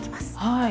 はい。